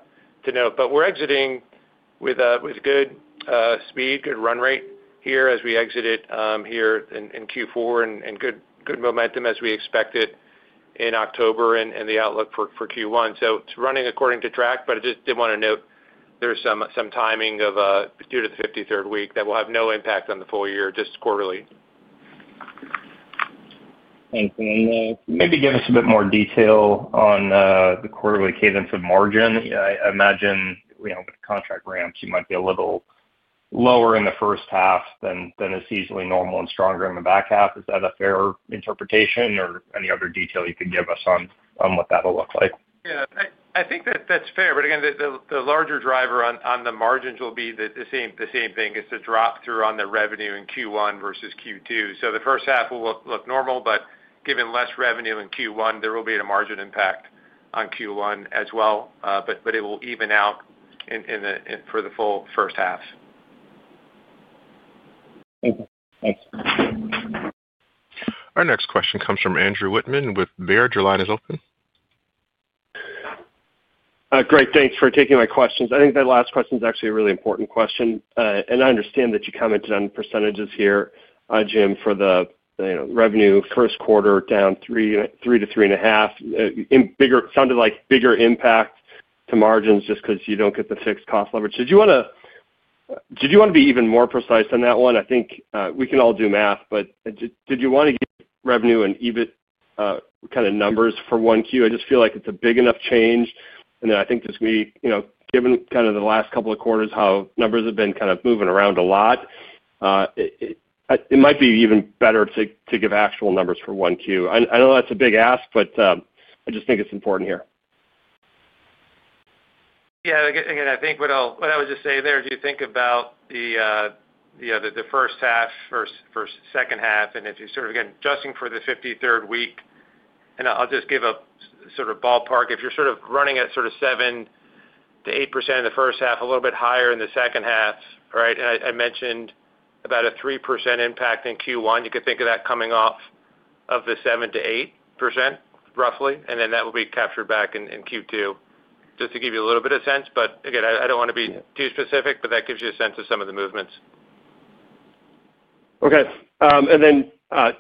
note. We're exiting with good speed, good run rate here as we exit here in Q4 and good momentum as we expect it in October and the outlook for Q1. It is running according to track, but I just did want to note there is some timing due to the 53rd week that will have no impact on the full year, just quarterly. Thank you. Maybe give us a bit more detail on the quarterly cadence of margin. I imagine with contract ramps, you might be a little lower in the first half than is easily normal and stronger in the back half. Is that a fair interpretation or any other detail you could give us on what that will look like? Yeah. I think that is fair. Again, the larger driver on the margins will be the same thing. It is a drop through on the revenue in Q1 versus Q2. The first half will look normal, but given less revenue in Q1, there will be a margin impact on Q1 as well. It will even out for the full first half. Thank you. Thanks. Our next question comes from Andrew Wittmann with Baird. Your line is open. Great. Thanks for taking my questions. I think the last question is actually a really important question. I understand that you commented on percentages here, Jim, for the revenue first quarter down 3%-3.5%. It sounded like bigger impact to margins just because you do not get the fixed cost leverage. Did you want to be even more precise on that one? I think we can all do math, but did you want to give revenue and EBIT kind of numbers for one Q? I just feel like it is a big enough change. I think just given kind of the last couple of quarters how numbers have been kind of moving around a lot, it might be even better to give actual numbers for Q1. I know that's a big ask, but I just think it's important here. Yeah. Again, I think what I was just saying there, if you think about the first half, first, second half, and if you're sort of, again, adjusting for the 53rd week, and I'll just give a sort of ballpark. If you're sort of running at sort of 7%-8% in the first half, a little bit higher in the second half, right? And I mentioned about a 3% impact in Q1. You could think of that coming off of the 7%-8%, roughly. That will be captured back in Q2 just to give you a little bit of sense. I do not want to be too specific, but that gives you a sense of some of the movements. Okay.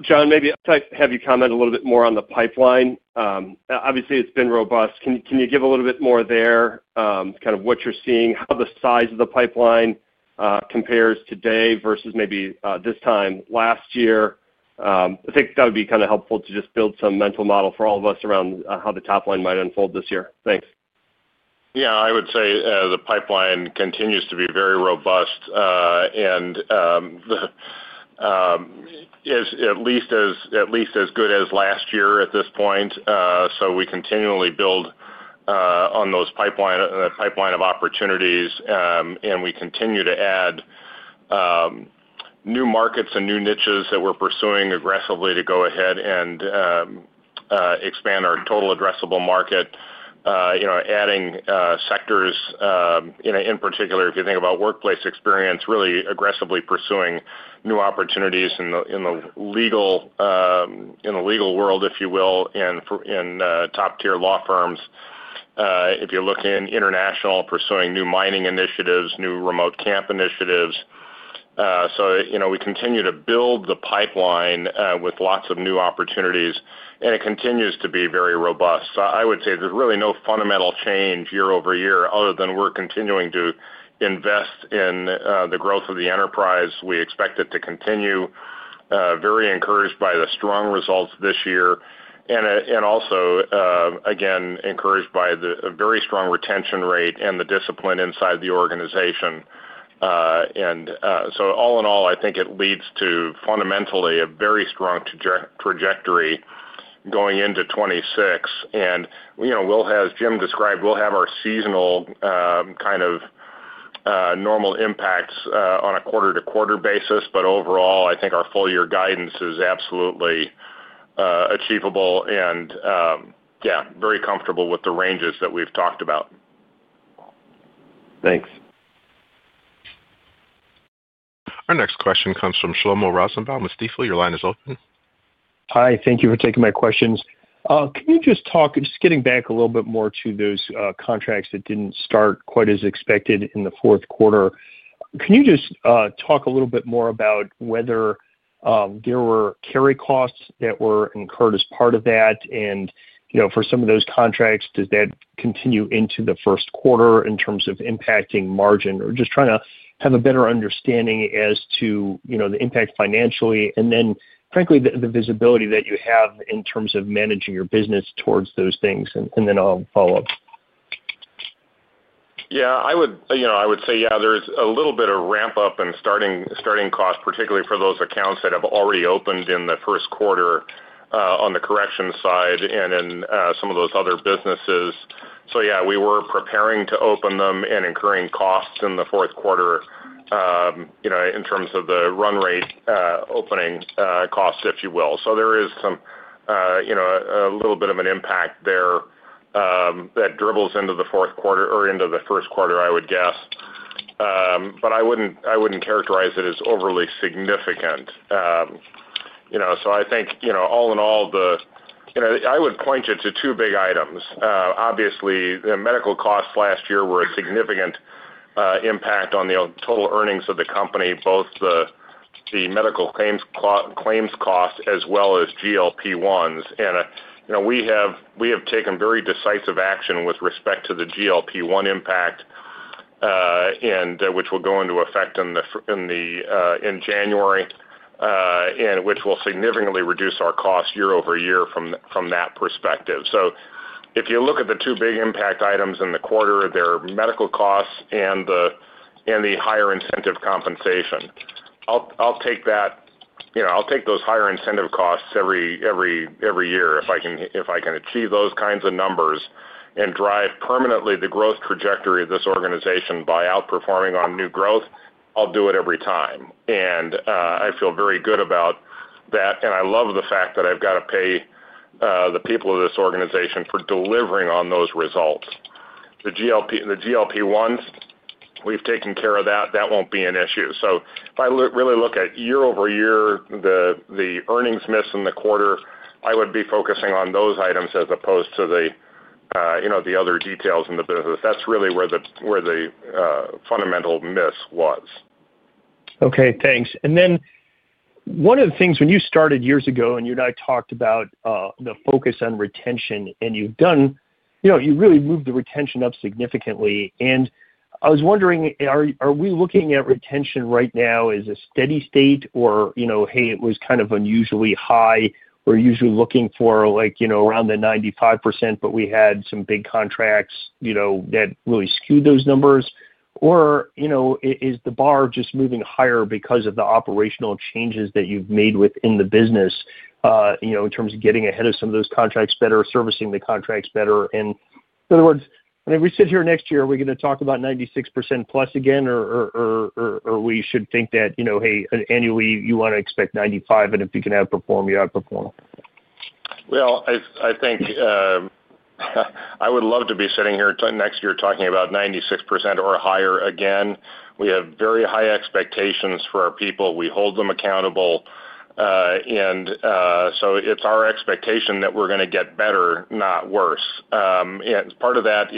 John, maybe have you comment a little bit more on the pipeline. Obviously, it has been robust. Can you give a little bit more there, kind of what you are seeing, how the size of the pipeline compares today versus maybe this time last year? I think that would be kind of helpful to just build some mental model for all of us around how the top line might unfold this year. Thanks. Yeah. I would say the pipeline continues to be very robust and at least as good as last year at this point. We continually build on the pipeline of opportunities, and we continue to add new markets and new niches that we're pursuing aggressively to go ahead and expand our total addressable market, adding sectors. In particular, if you think about workplace experience, really aggressively pursuing new opportunities in the legal world, if you will, and top-tier law firms. If you look in international, pursuing new mining initiatives, new remote camp initiatives. We continue to build the pipeline with lots of new opportunities, and it continues to be very robust. I would say there's really no fundamental change year-over-year other than we're continuing to invest in the growth of the enterprise. We expect it to continue, very encouraged by the strong results this year, and also, again, encouraged by the very strong retention rate and the discipline inside the organization. All in all, I think it leads to fundamentally a very strong trajectory going into 2026. As Jim described, we'll have our seasonal kind of normal impacts on a quarter-to-quarter basis. Overall, I think our full-year guidance is absolutely achievable and, yeah, very comfortable with the ranges that we've talked about. Thanks. Our next question comes from Shlomo Rosenbaum with Stifel. Your line is open. Hi. Thank you for taking my questions. Can you just talk, just getting back a little bit more to those contracts that did not start quite as expected in the fourth quarter? Can you just talk a little bit more about whether there were carry costs that were incurred as part of that? For some of those contracts, does that continue into the first quarter in terms of impacting margin? Or just trying to have a better understanding as to the impact financially and then, frankly, the visibility that you have in terms of managing your business towards those things. I'll follow up. Yeah. I would say, yeah, there's a little bit of ramp-up and starting costs, particularly for those accounts that have already opened in the first quarter on the correction side and in some of those other businesses. Yeah, we were preparing to open them and incurring costs in the fourth quarter in terms of the run rate opening costs, if you will. There is a little bit of an impact there that dribbles into the fourth quarter or into the first quarter, I would guess. I wouldn't characterize it as overly significant. I think all in all, I would point you to two big items. Obviously, the medical costs last year were a significant impact on the total earnings of the company, both the medical claims costs as well as GLP-1s. We have taken very decisive action with respect to the GLP-1 impact, which will go into effect in January, and which will significantly reduce our cost year-over-year from that perspective. If you look at the two big impact items in the quarter, they're medical costs and the higher incentive compensation. I'll take that. I'll take those higher incentive costs every year if I can achieve those kinds of numbers and drive permanently the growth trajectory of this organization by outperforming on new growth. I'll do it every time. I feel very good about that. I love the fact that I've got to pay the people of this organization for delivering on those results. The GLP-1s, we've taken care of that. That won't be an issue. If I really look at year-over-year, the earnings miss in the quarter, I would be focusing on those items as opposed to the other details in the business. That's really where the fundamental miss was. Okay. Thanks. One of the things when you started years ago and you and I talked about the focus on retention, and you've really moved the retention up significantly. I was wondering, are we looking at retention right now as a steady state or, hey, it was kind of unusually high? We're usually looking for around the 95%, but we had some big contracts that really skewed those numbers. Is the bar just moving higher because of the operational changes that you've made within the business in terms of getting ahead of some of those contracts better, servicing the contracts better? In other words, when we sit here next year, are we going to talk about 96% plus again, or should we think that, hey, annually, you want to expect 95%, and if you can outperform, you outperform? I think I would love to be sitting here next year talking about 96% or higher again. We have very high expectations for our people. We hold them accountable. It is our expectation that we're going to get better, not worse. Part of that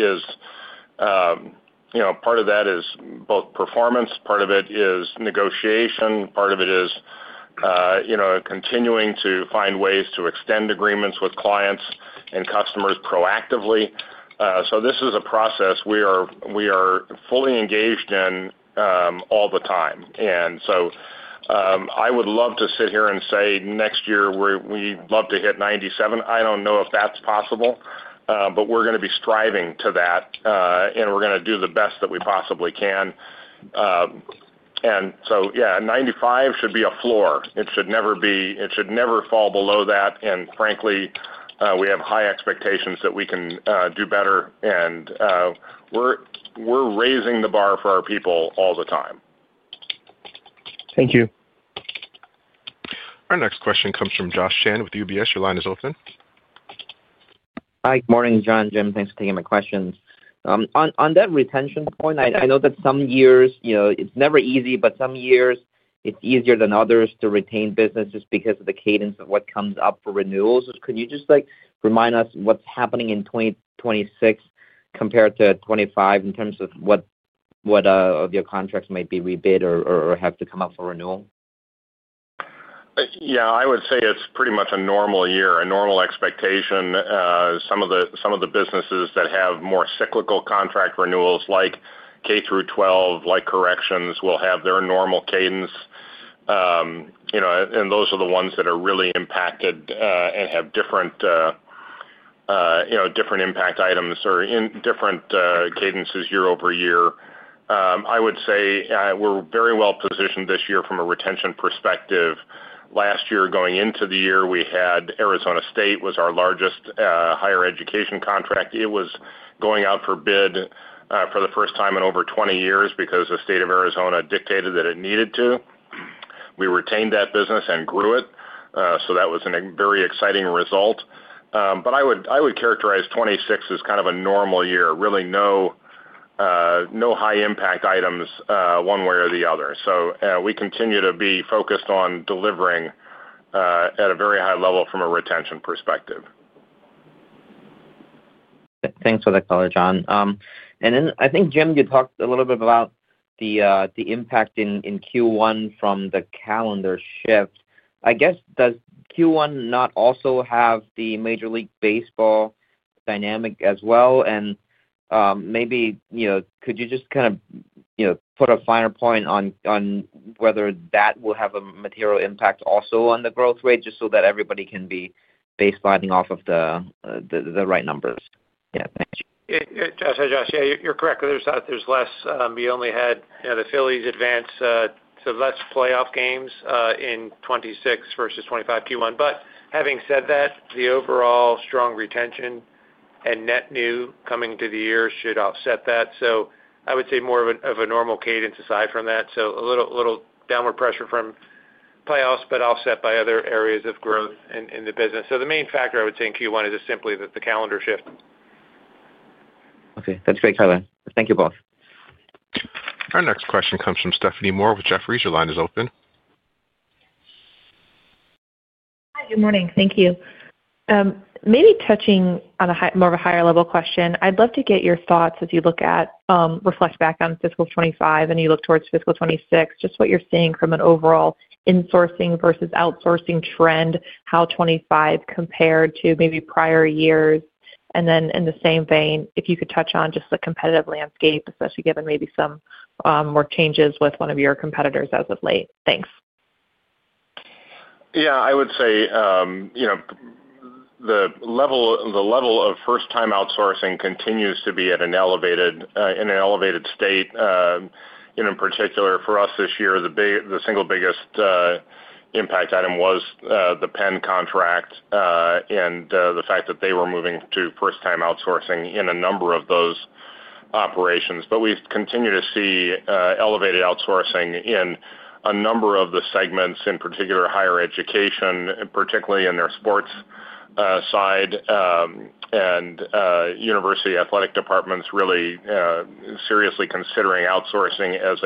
is both performance. Part of it is negotiation. Part of it is continuing to find ways to extend agreements with clients and customers proactively. This is a process we are fully engaged in all the time. I would love to sit here and say next year, we'd love to hit 97. I do not know if that's possible, but we're going to be striving to that, and we're going to do the best that we possibly can. Yeah, 95 should be a floor. It should never fall below that. Frankly, we have high expectations that we can do better. We're raising the bar for our people all the time. Thank you. Our next question comes from Josh Shan with UBS. Your line is open. Hi. Good morning, John. Jim, thanks for taking my questions. On that retention point, I know that some years, it's never easy, but some years, it's easier than others to retain business just because of the cadence of what comes up for renewals. Can you just remind us what's happening in 2026 compared to 2025 in terms of what of your contracts might be rebid or have to come up for renewal? Yeah. I would say it's pretty much a normal year, a normal expectation. Some of the businesses that have more cyclical contract renewals like K-12, like corrections, will have their normal cadence. And those are the ones that are really impacted and have different impact items or different cadences year-over-year. I would say we're very well positioned this year from a retention perspective. Last year, going into the year, we had Arizona State was our largest higher education contract. It was going out for bid for the first time in over 20 years because the state of Arizona dictated that it needed to. We retained that business and grew it. That was a very exciting result. I would characterize 2026 as kind of a normal year, really no high-impact items one way or the other. We continue to be focused on delivering at a very high level from a retention perspective. Thanks for that call, John. I think, Jim, you talked a little bit about the impact in Q1 from the calendar shift. I guess, does Q1 not also have the Major League Baseball dynamic as well? Maybe could you just kind of put a finer point on whether that will have a material impact also on the growth rate just so that everybody can be baselining off of the right numbers? Yeah. Thanks. Josh, yeah, you're correct. There's less. We only had the Phillies advance, so less playoff games in 2026 versus 2025 Q1. Having said that, the overall strong retention and net new coming to the year should offset that. I would say more of a normal cadence aside from that. A little downward pressure from playoffs, but offset by other areas of growth in the business. The main factor, I would say, in Q1 is simply the calendar shift. Okay. That's great, Kevin. Thank you both. Our next question comes from Stephanie Moore with Jefferies. Line is open. Hi. Good morning. Thank you. Maybe touching on more of a higher-level question, I'd love to get your thoughts as you reflect back on Fiscal 2025 and you look towards fiscal 2026, just what you're seeing from an overall insourcing versus outsourcing trend, how 2025 compared to maybe prior years. In the same vein, if you could touch on just the competitive landscape, especially given maybe some more changes with one of your competitors as of late. Thanks. Yeah. I would say the level of first-time outsourcing continues to be in an elevated state. In particular, for us this year, the single biggest impact item was the Penn contract and the fact that they were moving to first-time outsourcing in a number of those operations. We continue to see elevated outsourcing in a number of the segments, in particular higher education, particularly in their sports side. University athletic departments really seriously considering outsourcing as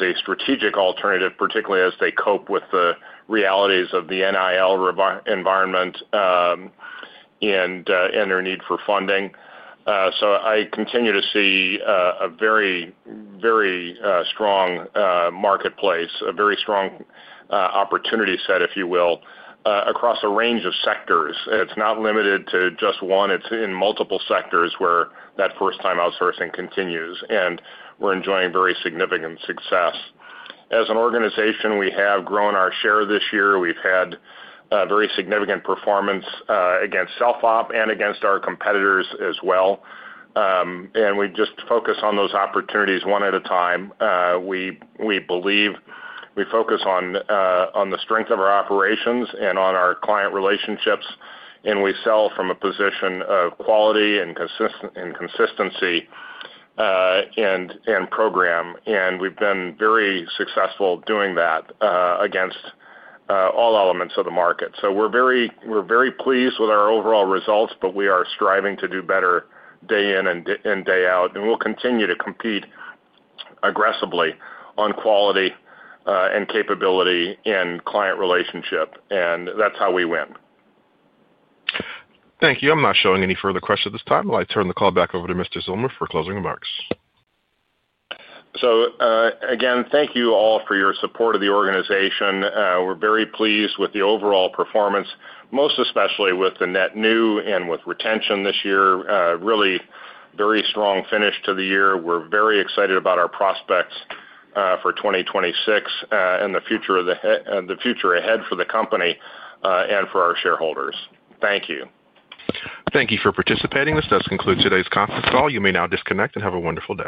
a strategic alternative, particularly as they cope with the realities of the NIL environment and their need for funding. I continue to see a very, very strong marketplace, a very strong opportunity set, if you will, across a range of sectors. It is not limited to just one. It is in multiple sectors where that first-time outsourcing continues. We are enjoying very significant success. As an organization, we have grown our share this year. We have had very significant performance against Self-op and against our competitors as well. We just focus on those opportunities one at a time. We believe we focus on the strength of our operations and on our client relationships. We sell from a position of quality and consistency and program. We have been very successful doing that against all elements of the market. We're very pleased with our overall results, but we are striving to do better day in and day out. We'll continue to compete aggressively on quality and capability and client relationship. That's how we win. Thank you. I'm not showing any further questions at this time. I'll turn the call back over to Mr. Zillmer for closing remarks. Again, thank you all for your support of the organization. We're very pleased with the overall performance, most especially with the net new and with retention this year. Really very strong finish to the year. We're very excited about our prospects for 2026 and the future ahead for the company and for our shareholders. Thank you. Thank you for participating. This does conclude today's conference call. You may now disconnect and have a wonderful day.